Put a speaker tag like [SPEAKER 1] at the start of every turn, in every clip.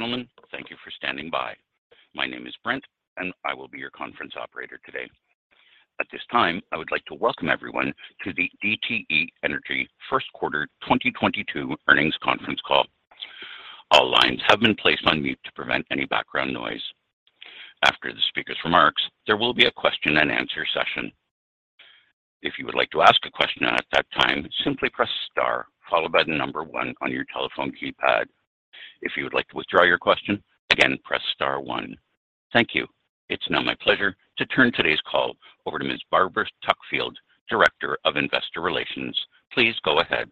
[SPEAKER 1] Ladies and gentlemen, thank you for standing by. My name is Brent, and I will be your conference operator today. At this time, I would like to welcome everyone to the DTE Energy first quarter 2022 earnings conference call. All lines have been placed on mute to prevent any background noise. After the speaker's remarks, there will be a question-and-answer session. If you would like to ask a question at that time, simply press star followed by the number one on your telephone keypad. If you would like to withdraw your question, again, press star one. Thank you. It's now my pleasure to turn today's call over to Ms. Barbara Tuckfield, Director of Investor Relations. Please go ahead.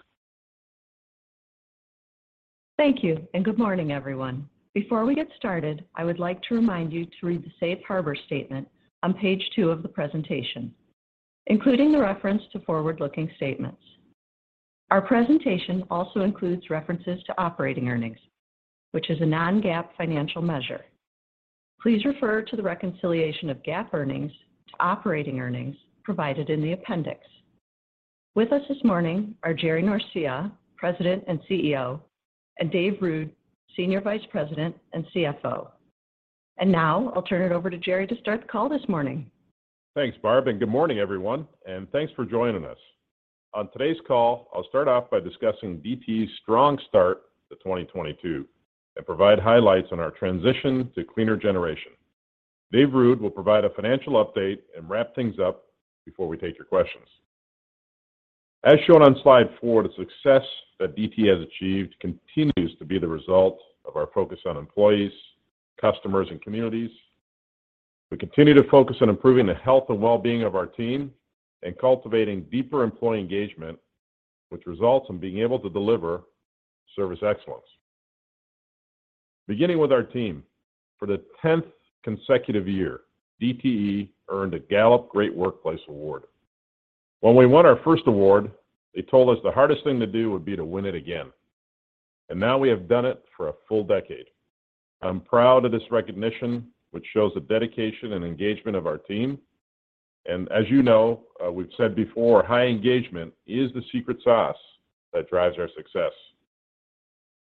[SPEAKER 2] Thank you, and good morning, everyone. Before we get started, I would like to remind you to read the safe harbor statement on page two of the presentation, including the reference to forward-looking statements. Our presentation also includes references to operating earnings, which is a non-GAAP financial measure. Please refer to the reconciliation of GAAP earnings to operating earnings provided in the appendix. With us this morning are Jerry Norcia, President and CEO, and Dave Ruud, Senior Vice President and CFO. Now I'll turn it over to Jerry to start the call this morning.
[SPEAKER 3] Thanks, Barbara, and good morning, everyone, and thanks for joining us. On today's call, I'll start off by discussing DTE's strong start to 2022 and provide highlights on our transition to cleaner generation. Dave Ruud will provide a financial update and wrap things up before we take your questions. As shown on slide four, the success that DTE has achieved continues to be the result of our focus on employees, customers, and communities. We continue to focus on improving the health and wellbeing of our team and cultivating deeper employee engagement, which results in being able to deliver service excellence. Beginning with our team, for the 10th consecutive year, DTE earned a Gallup Great Workplace Award. When we won our first award, they told us the hardest thing to do would be to win it again. Now we have done it for a full decade. I'm proud of this recognition, which shows the dedication and engagement of our team. As you know, we've said before, high engagement is the secret sauce that drives our success.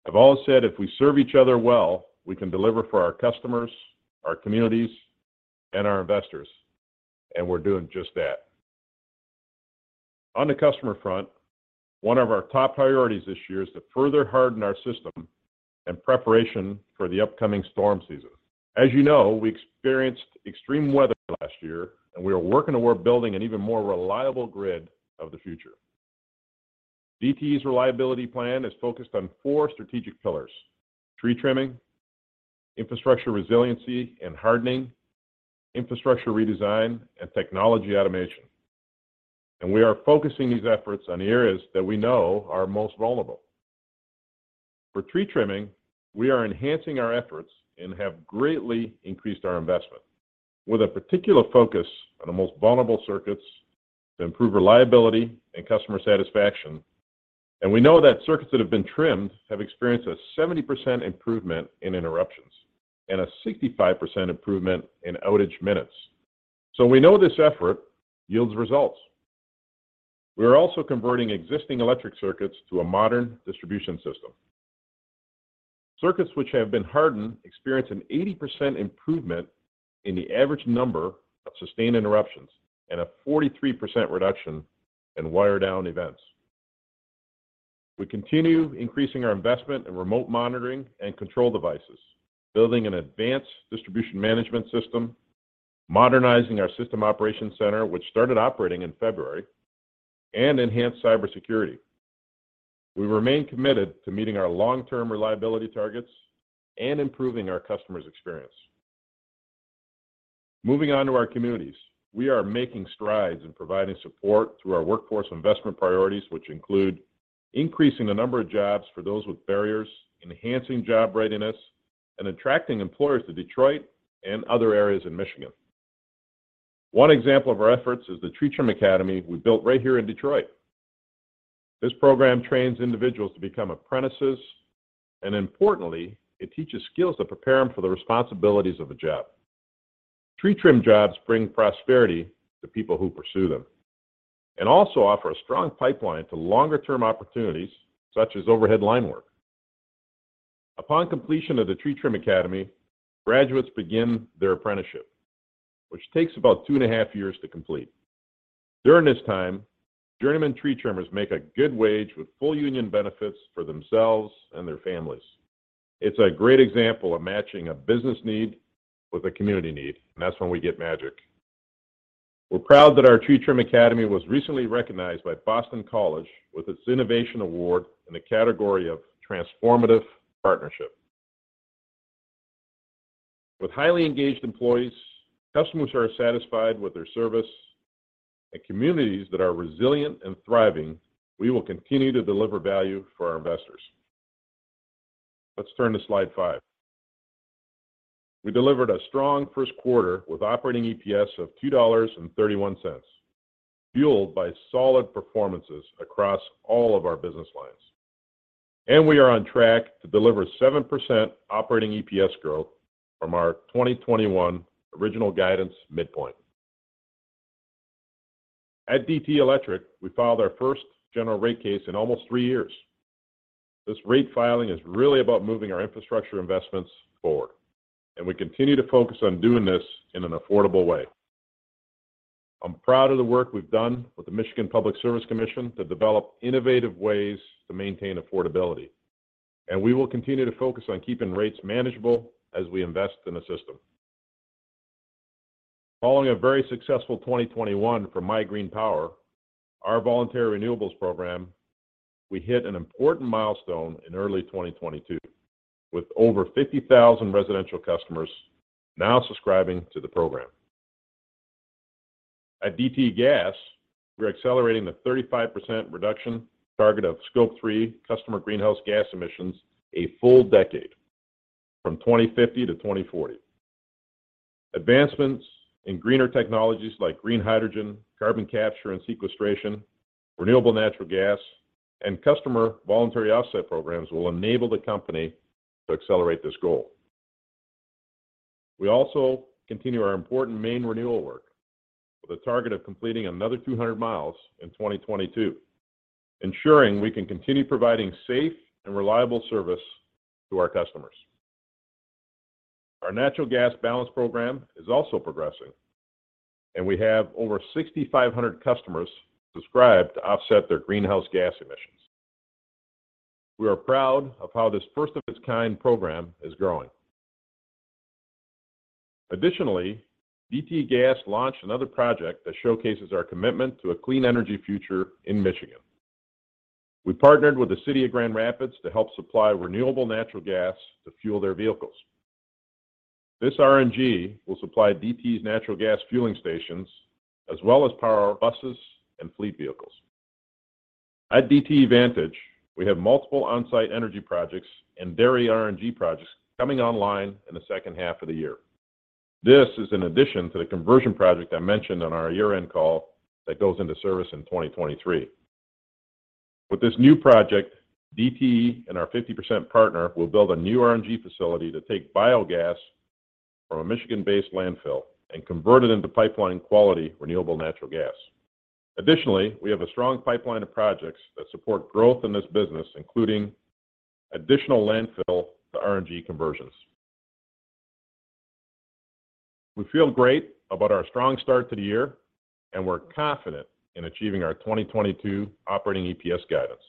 [SPEAKER 3] I've always said if we serve each other well, we can deliver for our customers, our communities, and our investors, and we're doing just that. On the customer front, one of our top priorities this year is to further harden our system in preparation for the upcoming storm season. As you know, we experienced extreme weather last year, and we are working toward building an even more reliable grid of the future. DTE's reliability plan is focused on four strategic pillars. Tree trimming, infrastructure resiliency and hardening, infrastructure redesign, and technology automation. We are focusing these efforts on areas that we know are most vulnerable. For tree trimming, we are enhancing our efforts and have greatly increased our investment with a particular focus on the most vulnerable circuits to improve reliability and customer satisfaction. We know that circuits that have been trimmed have experienced a 70% improvement in interruptions and a 65% improvement in outage minutes. We know this effort yields results. We're also converting existing electric circuits to a modern distribution system. Circuits which have been hardened experience an 80% improvement in the average number of sustained interruptions and a 43% reduction in wire down events. We continue increasing our investment in remote monitoring and control devices, building an advanced distribution management system, modernizing our system operation center, which started operating in February, and enhanced cybersecurity. We remain committed to meeting our long-term reliability targets and improving our customer's experience. Moving on to our communities. We are making strides in providing support through our workforce investment priorities, which include increasing the number of jobs for those with barriers, enhancing job readiness, and attracting employers to Detroit and other areas in Michigan. One example of our efforts is the Tree Trim Academy we built right here in Detroit. This program trains individuals to become apprentices, and importantly, it teaches skills to prepare them for the responsibilities of the job. Tree Trim Jobs bring prosperity to people who pursue them and also offer a strong pipeline to longer-term opportunities such as overhead line work. Upon completion of the Tree Trim Academy, graduates begin their apprenticeship, which takes about two and a half years to complete. During this time, journeyman Tree Trimmers make a good wage with full union benefits for themselves and their families. It's a great example of matching a business need with a community need, and that's when we get magic. We're proud that our Tree Trim Academy was recently recognized by Boston College with its Innovation Award in the category of transformative partnership. With highly engaged employees, customers who are satisfied with their service, and communities that are resilient and thriving, we will continue to deliver value for our investors. Let's turn to slide five. We delivered a strong first quarter with operating EPS of $2.31, fueled by solid performances across all of our business lines. We are on track to deliver 7% operating EPS growth from our 2021 original guidance midpoint. At DTE Electric, we filed our first general rate case in almost three years. This rate filing is really about moving our infrastructure investments forward, and we continue to focus on doing this in an affordable way. I'm proud of the work we've done with the Michigan Public Service Commission to develop innovative ways to maintain affordability, and we will continue to focus on keeping rates manageable as we invest in the system. Following a very successful 2021 for MIGreenPower, our voluntary renewables program, we hit an important milestone in early 2022, with over 50,000 residential customers now subscribing to the program. At DTE Gas, we're accelerating the 35% reduction target of Scope 3 customer greenhouse gas emissions a full decade, from 2050 - 2040. Advancements in greener technologies like green hydrogen, carbon capture and sequestration, renewable natural gas, and customer voluntary offset programs will enable the company to accelerate this goal. We also continue our important mainline renewal work with a target of completing another 200 miles in 2022, ensuring we can continue providing safe and reliable service to our customers. Our Natural Gas Balance program is also progressing, and we have over 6,500 customers subscribed to offset their greenhouse gas emissions. We are proud of how this first-of-its-kind program is growing. Additionally, DTE Gas launched another project that showcases our commitment to a clean energy future in Michigan. We partnered with the City of Grand Rapids to help supply renewable natural gas to fuel their vehicles. This RNG will supply DTE's natural gas fueling stations as well as power our buses and fleet vehicles. At DTE Vantage, we have multiple on-site energy projects and dairy RNG projects coming online in the second half of the year. This is in addition to the conversion project I mentioned on our year-end call that goes into service in 2023. With this new project, DTE and our 50% partner will build a new RNG facility to take biogas from a Michigan-based landfill and convert it into pipeline-quality renewable natural gas. Additionally, we have a strong pipeline of projects that support growth in this business, including additional landfill to RNG conversions. We feel great about our strong start to the year, and we're confident in achieving our 2022 operating EPS guidance.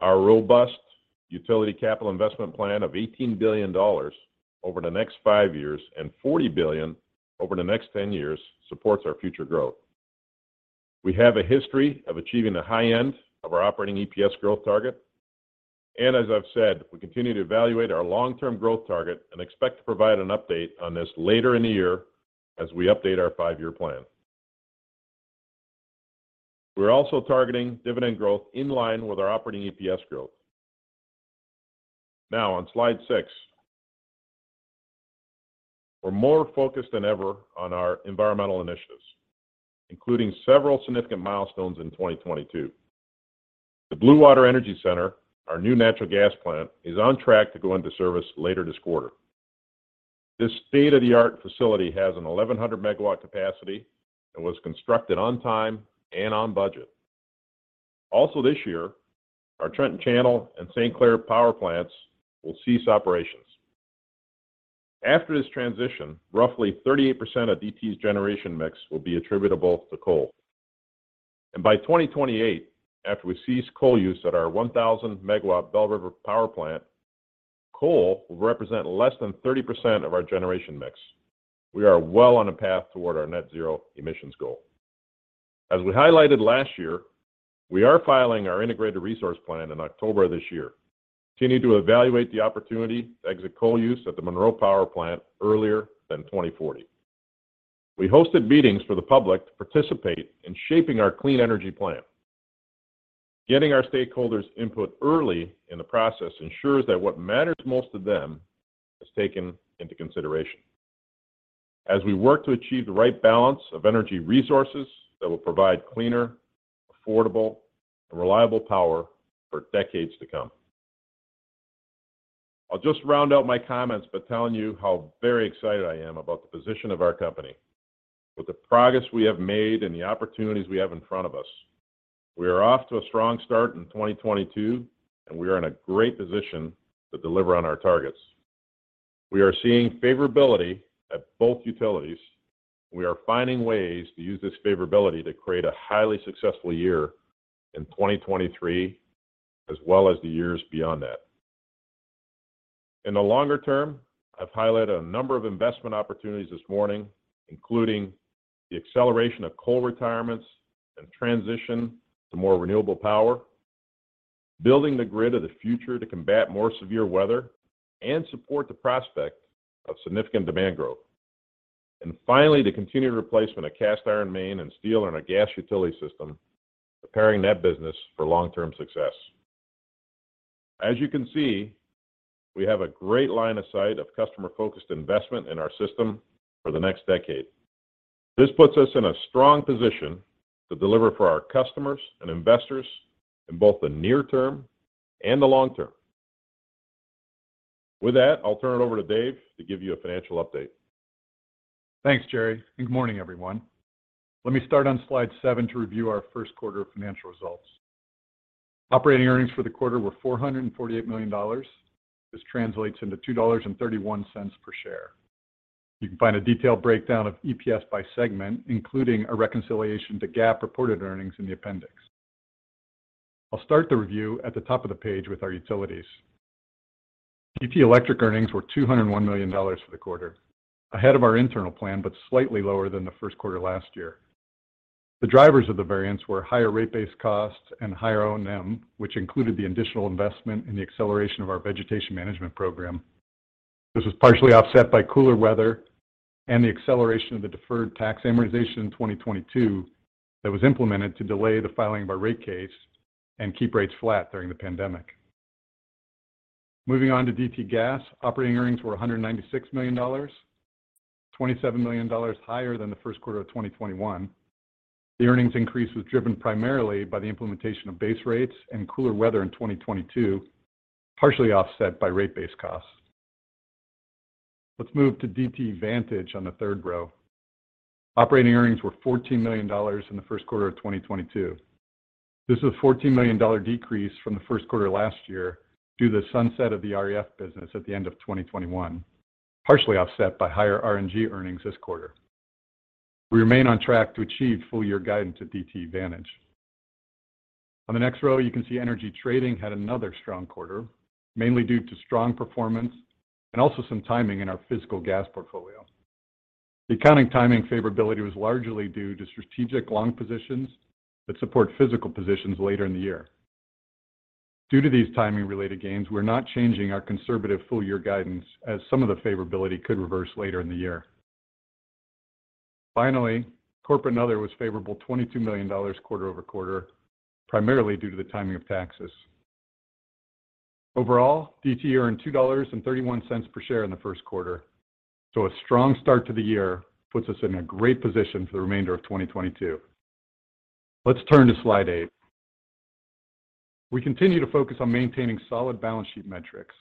[SPEAKER 3] Our robust utility capital investment plan of $18 billion over the next five years and $40 billion over the next 10 years supports our future growth. We have a history of achieving the high end of our operating EPS growth target. As I've said, we continue to evaluate our long-term growth target and expect to provide an update on this later in the year as we update our five-year plan. We're also targeting dividend growth in line with our operating EPS growth. Now, on slide six. We're more focused than ever on our environmental initiatives, including several significant milestones in 2022. The Blue Water Energy Center, our new natural gas plant, is on track to go into service later this quarter. This state-of-the-art facility has a 1,100-megawatt capacity and was constructed on time and on budget. Also this year, our Trenton Channel and St. Clair power plants will cease operations. After this transition, roughly 38% of DTE's generation mix will be attributable to coal. By 2028, after we cease coal use at our 1,000-megawatt Belle River power plant, coal will represent less than 30% of our generation mix. We are well on a path toward our net zero emissions goal. As we highlighted last year, we are filing our Integrated Resource Plan in October this year, continuing to evaluate the opportunity to exit coal use at the Monroe Power Plant earlier than 2040. We hosted meetings for the public to participate in shaping our clean energy plan. Getting our stakeholders' input early in the process ensures that what matters most to them is taken into consideration as we work to achieve the right balance of energy resources that will provide cleaner, affordable, and reliable power for decades to come. I'll just round out my comments by telling you how very excited I am about the position of our company. With the progress we have made and the opportunities we have in front of us, we are off to a strong start in 2022, and we are in a great position to deliver on our targets. We are seeing favorability at both utilities. We are finding ways to use this favorability to create a highly successful year in 2023, as well as the years beyond that. In the longer term, I've highlighted a number of investment opportunities this morning, including the acceleration of coal retirements and transition to more renewable power, building the grid of the future to combat more severe weather and support the prospect of significant demand growth. Finally, the continued replacement of cast iron main and steel in our gas utility system, preparing that business for long-term success. As you can see, we have a great line of sight of customer-focused investment in our system for the next decade. This puts us in a strong position to deliver for our customers and investors in both the near term and the long term. With that, I'll turn it over to Dave to give you a financial update.
[SPEAKER 4] Thanks, Jerry, and good morning, everyone. Let me start on slide seven to review our first quarter financial results. Operating earnings for the quarter were $448 million. This translates into $2.31 per share. You can find a detailed breakdown of EPS by segment, including a reconciliation to GAAP reported earnings in the appendix. I'll start the review at the top of the page with our utilities. DTE Electric earnings were $201 million for the quarter, ahead of our internal plan, but slightly lower than the first quarter last year. The drivers of the variance were higher rate-based costs and higher O&M, which included the additional investment in the acceleration of our vegetation management program. This was partially offset by cooler weather and the acceleration of the deferred tax amortization in 2022 that was implemented to delay the filing of our rate case and keep rates flat during the pandemic. Moving on to DTE Gas, operating earnings were $196 million, $27 million higher than the first quarter of 2021. The earnings increase was driven primarily by the implementation of base rates and cooler weather in 2022, partially offset by rate-based costs. Let's move to DTE Vantage on the third row. Operating earnings were $14 million in the first quarter of 2022. This is a $14 million decrease from the first quarter last year due to the sunset of the REF business at the end of 2021, partially offset by higher RNG earnings this quarter. We remain on track to achieve full-year guidance at DTE Vantage. On the next row, you can see energy trading had another strong quarter, mainly due to strong performance and also some timing in our physical gas portfolio. The accounting timing favorability was largely due to strategic long positions that support physical positions later in the year. Due to these timing-related gains, we're not changing our conservative full-year guidance as some of the favorability could reverse later in the year. Finally, corporate and other was favorable $22 million quarter over quarter, primarily due to the timing of taxes. Overall, DTE earned $2.31 per share in the first quarter. A strong start to the year puts us in a great position for the remainder of 2022. Let's turn to slide eight. We continue to focus on maintaining solid balance sheet metrics.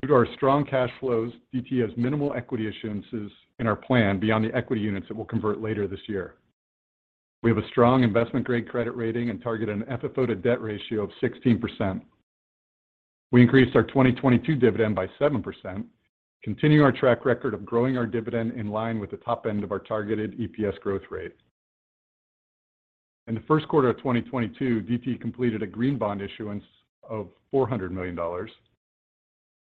[SPEAKER 4] Due to our strong cash flows, DTE has minimal equity issuances in our plan beyond the equity units that we'll convert later this year. We have a strong investment-grade credit rating and target an FFO to debt ratio of 16%. We increased our 2022 dividend by 7%, continuing our track record of growing our dividend in line with the top end of our targeted EPS growth rate. In the first quarter of 2022, DTE completed a green bond issuance of $400 million.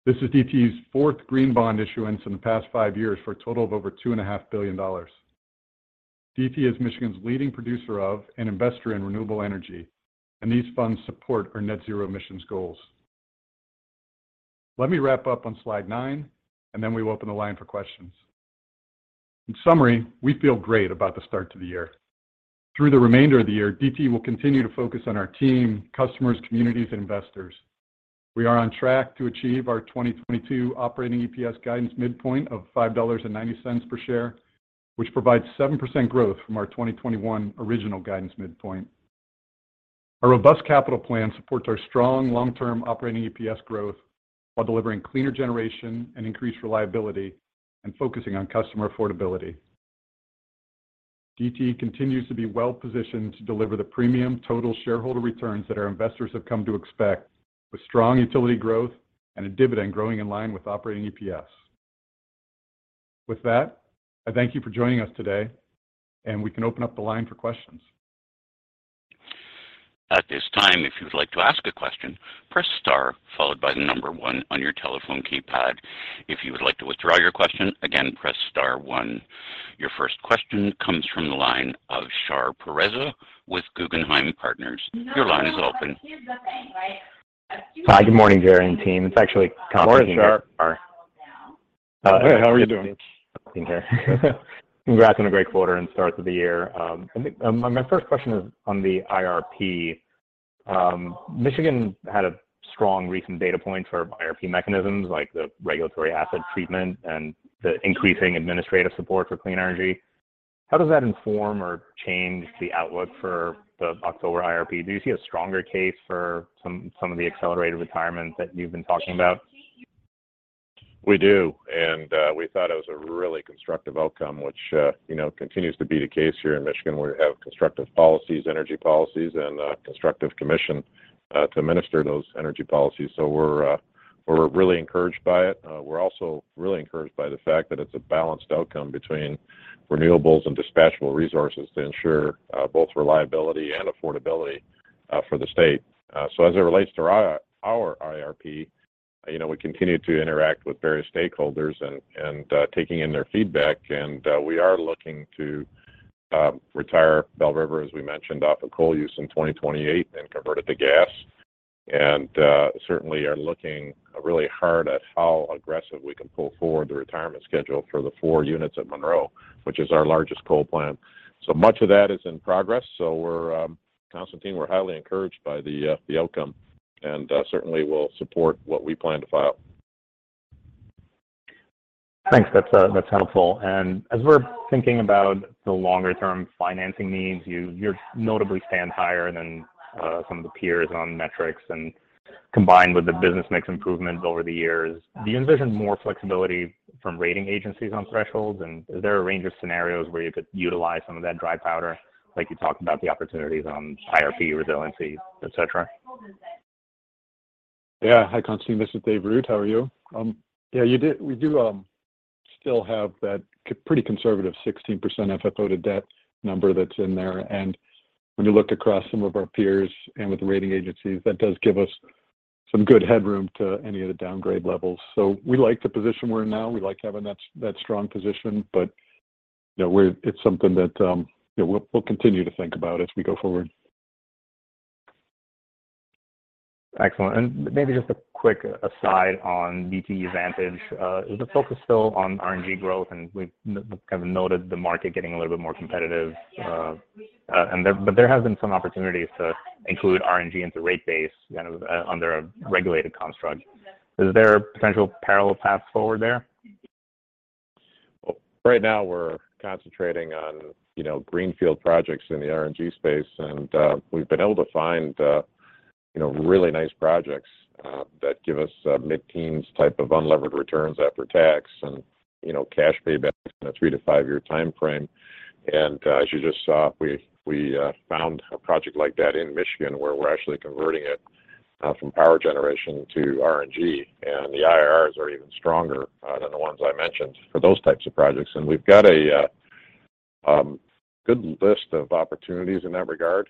[SPEAKER 4] This is DTE's fourth green bond issuance in the past five years for a total of over $2.5 billion. DTE is Michigan's leading producer of and investor in renewable energy, and these funds support our net zero emissions goals. Let me wrap up on slide nine, and then we will open the line for questions. In summary, we feel great about the start to the year. Through the remainder of the year, DTE will continue to focus on our team, customers, communities, and investors. We are on track to achieve our 2022 operating EPS guidance midpoint of $5.90 per share, which provides 7% growth from our 2021 original guidance midpoint. Our robust capital plan supports our strong long-term operating EPS growth while delivering cleaner generation and increased reliability and focusing on customer affordability. DTE continues to be well-positioned to deliver the premium total shareholder returns that our investors have come to expect with strong utility growth and a dividend growing in line with operating EPS. With that, I thank you for joining us today, and we can open up the line for questions.
[SPEAKER 1] At this time, if you would like to ask a question, press star followed by the number one on your telephone keypad. If you would like to withdraw your question, again press star one. Your first question comes from the line of Shar Pourreza with Guggenheim Partners. Your line is open.
[SPEAKER 5] Hi, good morning, Jerry and team. It's actually Constantine with-
[SPEAKER 3] Morning, Shar. Hey, how are you doing?
[SPEAKER 5] Congrats on a great quarter and start to the year. I think, my first question is on the IRP. Michigan had a strong recent data point for IRP mechanisms like the regulatory asset treatment and the increasing administrative support for clean energy. How does that inform or change the outlook for the October IRP? Do you see a stronger case for some of the accelerated retirement that you've been talking about?
[SPEAKER 3] We do, and we thought it was a really constructive outcome, which, you know, continues to be the case here in Michigan, where we have constructive policies, energy policies, and a constructive commission to administer those energy policies. We're really encouraged by it. We're also really encouraged by the fact that it's a balanced outcome between renewables and dispatchable resources to ensure both reliability and affordability for the state. As it relates to our IRP, you know, we continue to interact with various stakeholders and taking in their feedback. We are looking to retire Belle River, as we mentioned, off of coal use in 2028 and convert it to gas. Certainly are looking really hard at how aggressive we can pull forward the retirement schedule for the four units at Monroe, which is our largest coal plant. Much of that is in progress. Constantine, we're highly encouraged by the outcome and certainly will support what we plan to file.
[SPEAKER 5] Thanks. That's helpful. As we're thinking about the longer term financing needs, you notably stand higher than some of the peers on metrics, and combined with the business mix improvements over the years, do you envision more flexibility from rating agencies on thresholds? Is there a range of scenarios where you could utilize some of that dry powder? Like you talked about the opportunities on higher fee resiliency, et cetera.
[SPEAKER 4] Yeah. Hi, Constantine. This is Dave Ruud. How are you? Yeah, we do still have that pretty conservative 16% FFO to debt number that's in there. When you look across some of our peers and with the rating agencies, that does give us some good headroom to any of the downgrade levels. We like the position we're in now. We like having that strong position. You know, it's something that, you know, we'll continue to think about as we go forward.
[SPEAKER 5] Excellent. Maybe just a quick aside on DTE Vantage, is the focus still on RNG growth? We've kind of noted the market getting a little bit more competitive. But there has been some opportunities to include RNG into rate base kind of under a regulated construct. Is there potential parallel paths forward there?
[SPEAKER 3] Right now we're concentrating on, you know, greenfield projects in the RNG space, and we've been able to find, you know, really nice projects that give us mid-teens type of unlevered returns after tax and, you know, cash payback in a three-five year timeframe. As you just saw, we found a project like that in Michigan where we're actually converting it from power generation to RNG. The IRRs are even stronger than the ones I mentioned for those types of projects. We've got a good list of opportunities in that regard.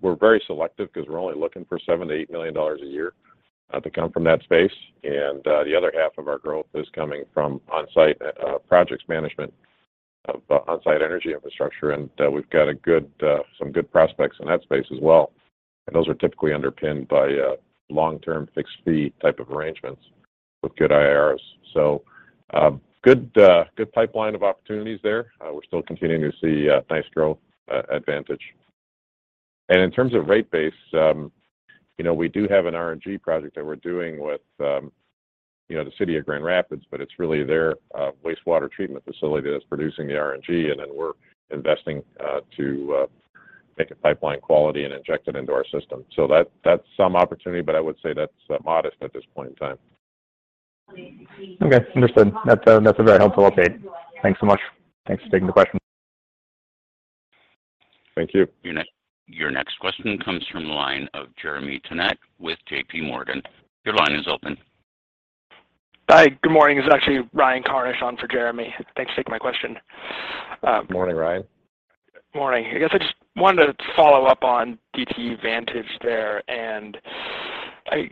[SPEAKER 3] We're very selective because we're only looking for $7 million-$8 million a year to come from that space. The other half of our growth is coming from on-site projects management, on-site energy infrastructure. We've got some good prospects in that space as well. Those are typically underpinned by long-term fixed fee type of arrangements with good IRRs. Good pipeline of opportunities there. We're still continuing to see nice growth at Vantage. In terms of rate base, you know, we do have an RNG project that we're doing with you know the city of Grand Rapids, but it's really their wastewater treatment facility that's producing the RNG, and then we're investing to make it pipeline quality and inject it into our system. That's some opportunity, but I would say that's modest at this point in time.
[SPEAKER 5] Okay, understood. That's very helpful. Okay, thanks so much. Thanks for taking the question.
[SPEAKER 3] Thank you.
[SPEAKER 1] Your next question comes from the line of Jeremy Tonet with J.P. Morgan. Your line is open.
[SPEAKER 6] Hi. Good morning. This is actually Ryan Karnish on for Jeremy. Thanks for taking my question.
[SPEAKER 3] Morning, Ryan.
[SPEAKER 6] Morning. I guess I just wanted to follow up on DTE Vantage there, and I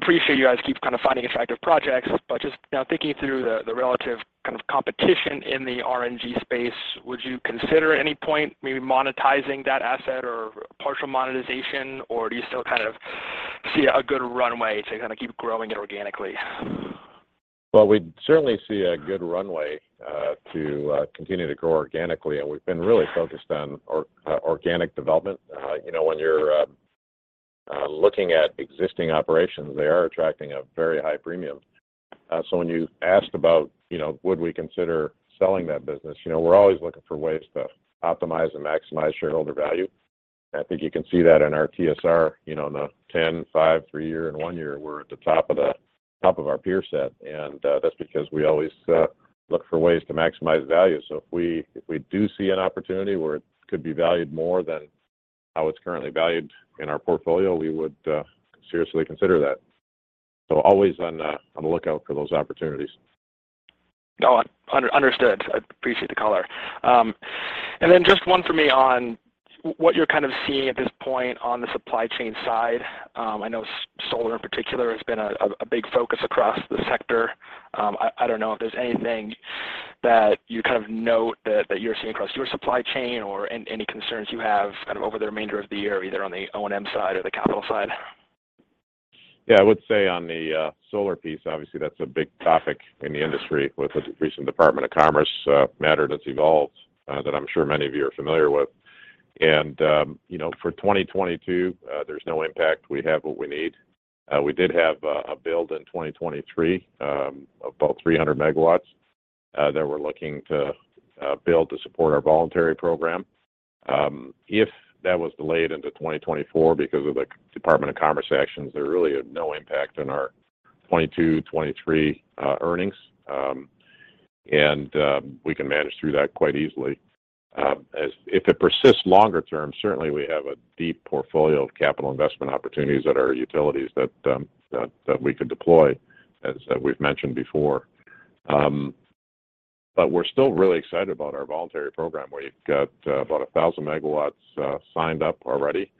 [SPEAKER 6] appreciate you guys keep kind of finding attractive projects. Just now thinking through the relative kind of competition in the RNG space, would you consider at any point maybe monetizing that asset or partial monetization, or do you still kind of see a good runway to kind of keep growing it organically?
[SPEAKER 3] Well, we certainly see a good runway to continue to grow organically. We've been really focused on our organic development. You know, when you're looking at existing operations, they are attracting a very high premium. So when you asked about, you know, would we consider selling that business, you know, we're always looking for ways to optimize and maximize shareholder value. I think you can see that in our TSR, you know, in the 10-, five-, three- and one-year, we're at the top of our peer set. That's because we always look for ways to maximize value. If we do see an opportunity where it could be valued more than how it's currently valued in our portfolio, we would seriously consider that. Always on the lookout for those opportunities.
[SPEAKER 6] No, understood. I appreciate the color. Then just one for me on what you're kind of seeing at this point on the supply chain side. I know solar in particular has been a big focus across the sector. I don't know if there's anything that you kind of note that you're seeing across your supply chain or any concerns you have kind of over the remainder of the year, either on the O&M side or the capital side.
[SPEAKER 3] Yeah, I would say on the solar piece, obviously that's a big topic in the industry with the recent Department of Commerce matter that's evolved that I'm sure many of you are familiar with. You know, for 2022, there's no impact. We have what we need. We did have a build in 2023 about 300 megawatts that we're looking to build to support our voluntary program. If that was delayed into 2024 because of the Department of Commerce actions, there really is no impact on our 2022, 2023 earnings. We can manage through that quite easily. If it persists longer term, certainly we have a deep portfolio of capital investment opportunities at our utilities that we could deploy, as we've mentioned before. We're still really excited about our voluntary program. We've got about 1,000 megawatts signed up already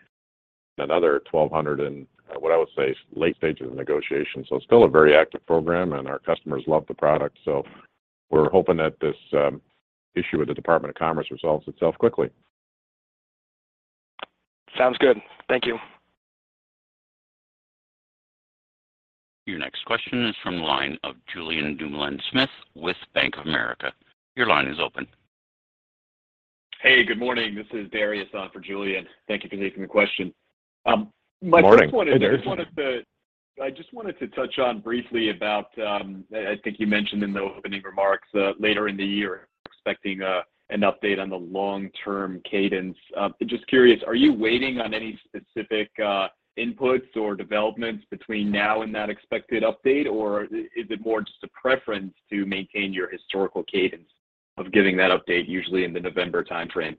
[SPEAKER 3] and another 1,200 megawatts in what I would say is late stages of negotiation. It's still a very active program and our customers love the product. We're hoping that this issue with the Department of Commerce resolves itself quickly.
[SPEAKER 6] Sounds good. Thank you.
[SPEAKER 1] Your next question is from the line of Julien Dumoulin-Smith with Bank of America. Your line is open.
[SPEAKER 7] Hey, good morning. This is Dariusz on for Julien. Thank you for taking the question. My first one.
[SPEAKER 3] Good morning. Hey, Dariusz.
[SPEAKER 7] I just wanted to touch on briefly about, I think you mentioned in the opening remarks, later in the year, expecting an update on the long-term cadence. Just curious, are you waiting on any specific inputs or developments between now and that expected update? Or is it more just a preference to maintain your historical cadence of giving that update usually in the November timeframe?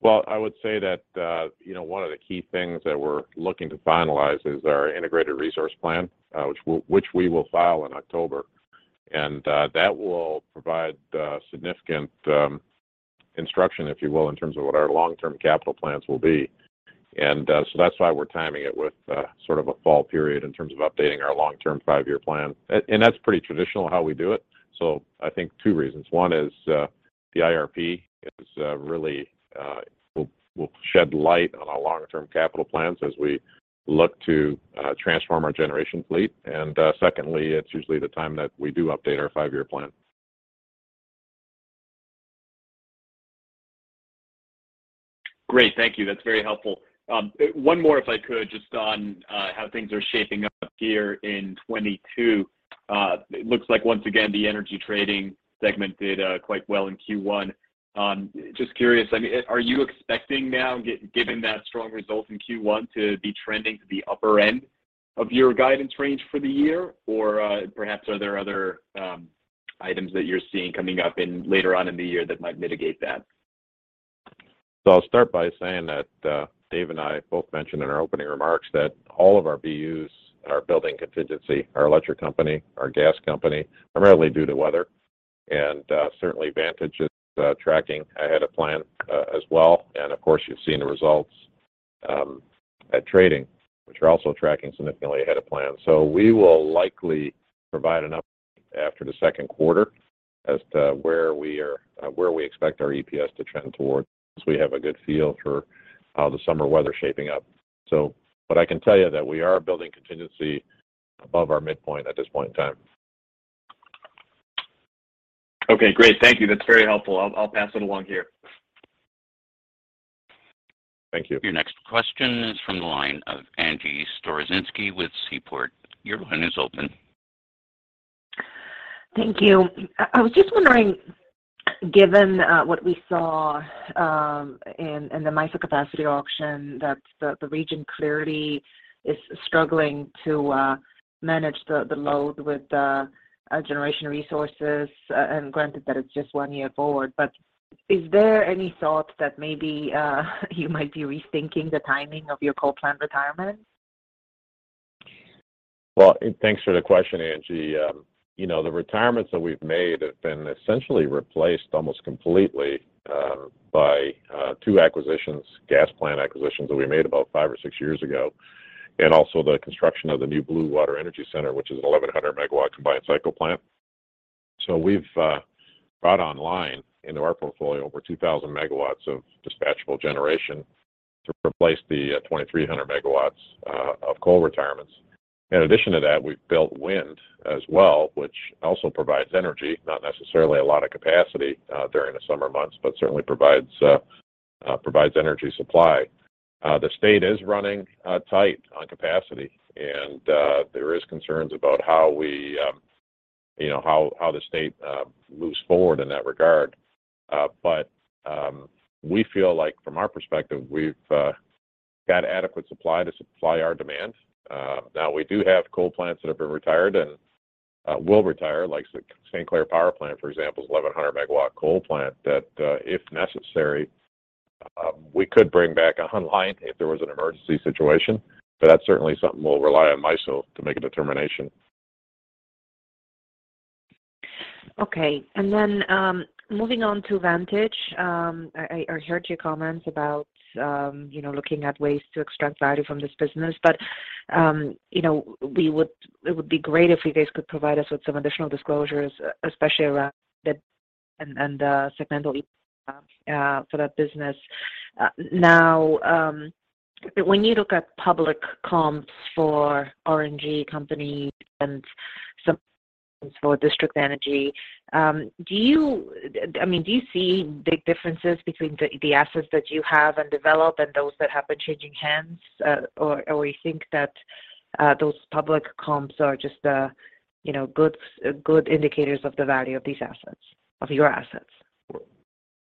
[SPEAKER 3] Well, I would say that you know one of the key things that we're looking to finalize is our Integrated Resource Plan which we will file in October. That will provide significant instruction if you will in terms of what our long-term capital plans will be. That's why we're timing it with sort of a fall period in terms of updating our long-term five-year plan. That's pretty traditional how we do it. I think two reasons. One is the IRP really will shed light on our long-term capital plans as we look to transform our generation fleet. Secondly, it's usually the time that we do update our five-year plan.
[SPEAKER 7] Great. Thank you. That's very helpful. One more, if I could, just on how things are shaping up here in 2022. It looks like once again, the energy trading segment did quite well in Q1. Just curious, I mean, are you expecting now given that strong results in Q1 to be trending to the upper end of your guidance range for the year? Or perhaps are there other items that you're seeing coming up later on in the year that might mitigate that?
[SPEAKER 3] I'll start by saying that Dave and I both mentioned in our opening remarks that all of our BUs are building contingency, our electric company, our gas company, primarily due to weather. Certainly, Vantage is tracking ahead of plan, as well. Of course, you've seen the results at trading, which are also tracking significantly ahead of plan. We will likely provide an update after the second quarter as to where we are, where we expect our EPS to trend towards once we have a good feel for how the summer weather's shaping up. I can tell you that we are building contingency above our midpoint at this point in time.
[SPEAKER 7] Okay, great. Thank you. That's very helpful. I'll pass it along here.
[SPEAKER 3] Thank you.
[SPEAKER 1] Your next question is from the line of Angie Storozynski with Seaport. Your line is open.
[SPEAKER 8] Thank you. I was just wondering, given what we saw in the MISO capacity auction, that the region clearly is struggling to manage the load with the generation resources, and granted that it's just one year forward. Is there any thought that maybe you might be rethinking the timing of your coal plant retirement?
[SPEAKER 3] Well, thanks for the question, Angie. You know, the retirements that we've made have been essentially replaced almost completely by two acquisitions, gas plant acquisitions that we made about five or six years ago, and also the construction of the new Blue Water Energy Center, which is a 1,100-megawatt combined cycle plant. We've brought online into our portfolio over 2,000 megawatts of dispatchable generation to replace the 2,300 megawatts of coal retirements. In addition to that, we've built wind as well, which also provides energy, not necessarily a lot of capacity during the summer months, but certainly provides energy supply. The state is running tight on capacity, and there is concerns about how we, you know, how the state moves forward in that regard. We feel like from our perspective, we've got adequate supply to supply our demand. Now we do have coal plants that have been retired and will retire, like St. Clair Power Plant, for example, is 1,100-megawatt coal plant that if necessary we could bring back online if there was an emergency situation. That's certainly something we'll rely on MISO to make a determination.
[SPEAKER 8] Okay. Moving on to Vantage, I heard your comments about, you know, looking at ways to extract value from this business. It would be great if you guys could provide us with some additional disclosures, especially around segmental EPS for that business. Now, when you look at public comps for RNG companies and some for district energy, I mean, do you see big differences between the assets that you have and develop and those that have been changing hands, or you think that those public comps are just, you know, good indicators of the value of these assets, of your assets?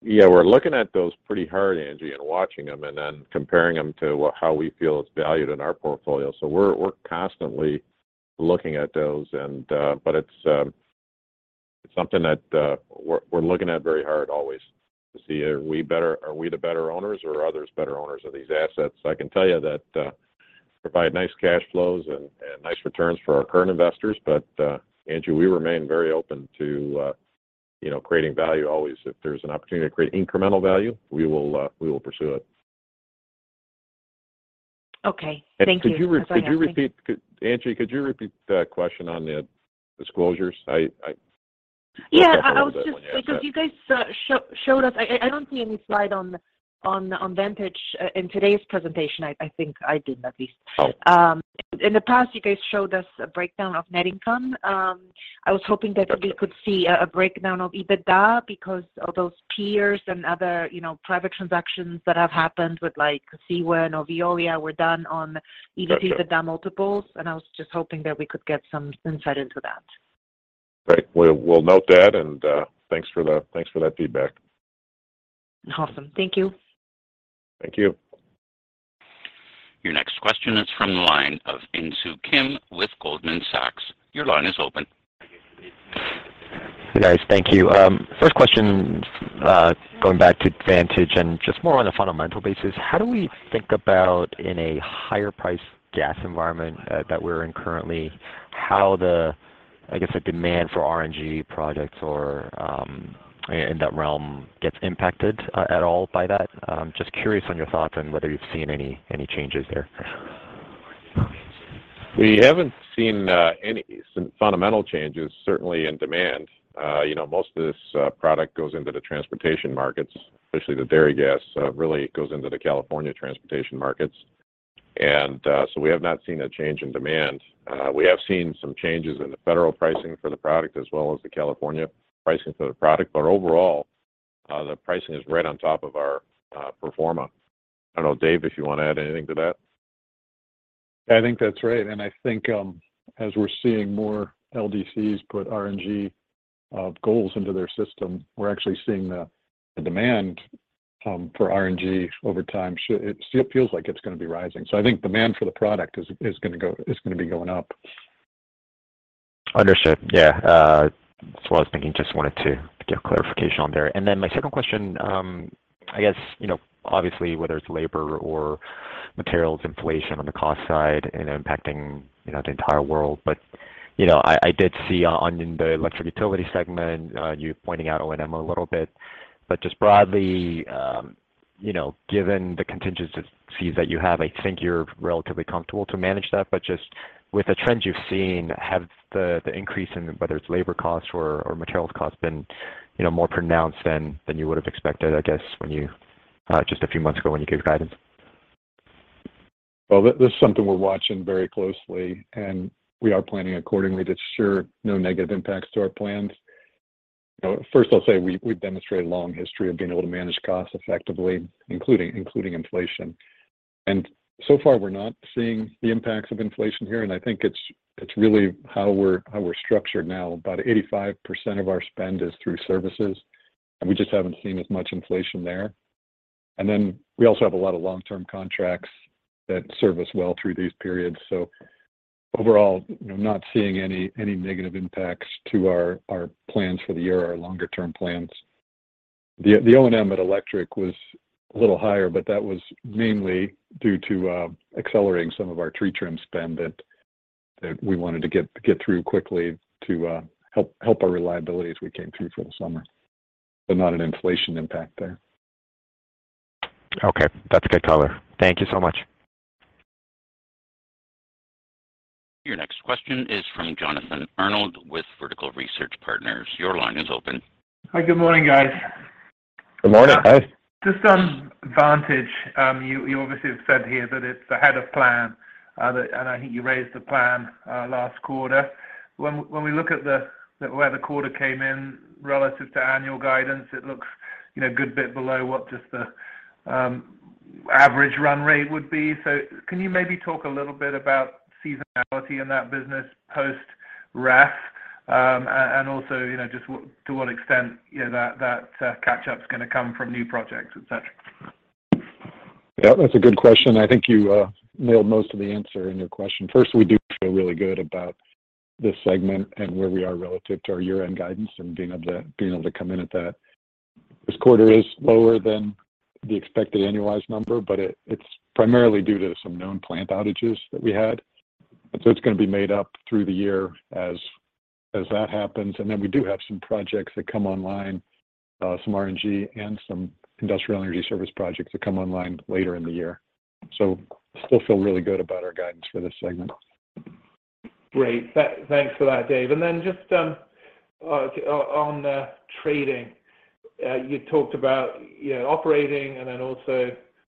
[SPEAKER 3] Yeah, we're looking at those pretty hard, Angie, and watching them and then comparing them to what how we feel it's valued in our portfolio. We're constantly looking at those, and but it's something that we're looking at very hard always to see are we the better owners or are others better owners of these assets? I can tell you that provide nice cash flows and nice returns for our current investors. Angie, we remain very open to you know creating value always. If there's an opportunity to create incremental value, we will pursue it.
[SPEAKER 8] Okay. Thank you.
[SPEAKER 3] Angie, could you repeat that question on the disclosures?
[SPEAKER 8] Yeah, I was just because you guys showed us. I don't see any slide on Vantage in today's presentation. I think I didn't, at least.
[SPEAKER 3] Oh.
[SPEAKER 8] In the past you guys showed us a breakdown of net income. I was hoping that.
[SPEAKER 3] Okay
[SPEAKER 8] We could see a breakdown of EBITDA because of those peers and other, you know, private transactions that have happened with like Suez and Veolia were done on EBITDA.
[SPEAKER 3] Sure. Sure
[SPEAKER 8] multiples, and I was just hoping that we could get some insight into that.
[SPEAKER 3] Great. We'll note that and thanks for that feedback.
[SPEAKER 8] Awesome. Thank you.
[SPEAKER 3] Thank you.
[SPEAKER 1] Your next question is from the line of Insoo Kim with Goldman Sachs. Your line is open.
[SPEAKER 9] Hey, guys. Thank you. First question, going back to Vantage and just more on a fundamental basis, how do we think about in a higher price gas environment that we're in currently, how the, I guess, the demand for RNG projects or in that realm gets impacted at all by that? Just curious on your thoughts on whether you've seen any changes there.
[SPEAKER 3] We haven't seen any fundamental changes, certainly in demand. You know, most of this product goes into the transportation markets, especially the RNG, really goes into the California transportation markets. We have not seen a change in demand. We have seen some changes in the federal pricing for the product as well as the California pricing for the product. Overall, the pricing is right on top of our pro forma. I don't know, Dave, if you want to add anything to that.
[SPEAKER 4] I think that's right. I think, as we're seeing more LDCs put RNG goals into their system, we're actually seeing the demand for RNG over time. It still feels like it's gonna be rising. I think demand for the product is gonna be going up.
[SPEAKER 9] Understood. Yeah. That's what I was thinking. Just wanted to get clarification on there. My second question, I guess, you know, obviously, whether it's labor or materials inflation on the cost side and impacting, you know, the entire world. You know, I did see O&M in the electric utility segment, you pointing out O&M a little bit, but just broadly, you know, given the contingency fees that you have, I think you're relatively comfortable to manage that. Just with the trends you've seen, have the increase in whether it's labor costs or materials cost been, you know, more pronounced than you would have expected, I guess when you just a few months ago when you gave guidance?
[SPEAKER 4] Well, this is something we're watching very closely, and we are planning accordingly to ensure no negative impacts to our plans. You know, first I'll say we've demonstrated a long history of being able to manage costs effectively, including inflation. So far, we're not seeing the impacts of inflation here. I think it's really how we're structured now. About 85% of our spend is through services, and we just haven't seen as much inflation there. Then we also have a lot of long-term contracts that serve us well through these periods. Overall, you know, not seeing any negative impacts to our plans for the year, our longer term plans. The O&M at electric was a little higher, but that was mainly due to accelerating some of our tree trim spend that we wanted to get through quickly to help our reliability as we came through for the summer. Not an inflation impact there.
[SPEAKER 9] Okay. That's a good color. Thank you so much.
[SPEAKER 1] Your next question is from Jonathan Arnold with Vertical Research Partners. Your line is open.
[SPEAKER 10] Hi. Good morning, guys.
[SPEAKER 3] Good morning. Hey.
[SPEAKER 10] Just on Vantage, you obviously have said here that it's ahead of plan, that and I think you raised the plan last quarter. When we look at where the quarter came in relative to annual guidance, it looks, you know, a good bit below what the average run rate would be. Can you maybe talk a little bit about seasonality in that business post REF, and also, you know, just to what extent that catch-up's gonna come from new projects, et cetera?
[SPEAKER 4] Yeah, that's a good question. I think you nailed most of the answer in your question. First, we do feel really good about this segment and where we are relative to our year-end guidance and being able to come in at that. This quarter is lower than the expected annualized number, but it's primarily due to some known plant outages that we had. It's gonna be made up through the year as that happens. Then we do have some projects that come online, some RNG and some industrial energy service projects that come online later in the year. Still feel really good about our guidance for this segment.
[SPEAKER 10] Great. Thanks for that, Dave. Then just, on trading, you talked about, you know, operating and then also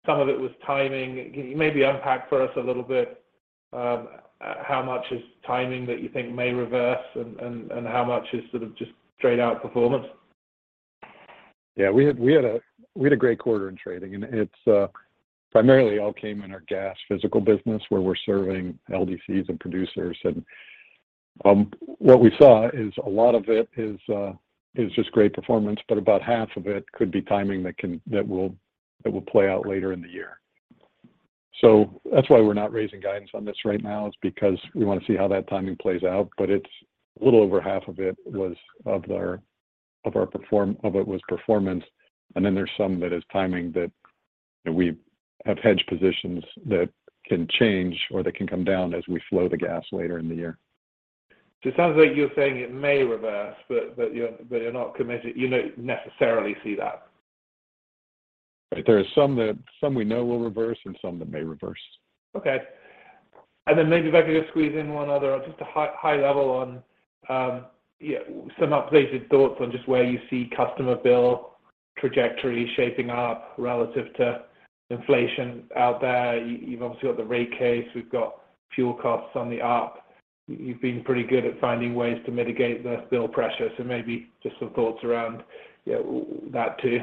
[SPEAKER 10] some of it was timing. Can you maybe unpack for us a little bit, how much is timing that you think may reverse and how much is sort of just straight out performance?
[SPEAKER 4] Yeah. We had a great quarter in trading, and it's primarily all came in our gas physical business where we're serving LDCs and producers. What we saw is a lot of it is just great performance, but about half of it could be timing that will play out later in the year. That's why we're not raising guidance on this right now is because we want to see how that timing plays out. It's a little over half of it was performance, and then there's some that is timing that we have hedge positions that can change or that can come down as we flow the gas later in the year.
[SPEAKER 10] It sounds like you're saying it may reverse, but you're not committed. You don't necessarily see that.
[SPEAKER 3] Right. There are some that, some we know will reverse and some that may reverse.
[SPEAKER 10] Okay. Maybe if I could just squeeze in one other, just a high, high level on, yeah, some updated thoughts on just where you see customer bill trajectory shaping up relative to inflation out there. You've obviously got the rate case, we've got fuel costs on the up. You've been pretty good at finding ways to mitigate the bill pressure, maybe just some thoughts around, you know, that too.